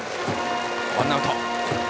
ワンアウト。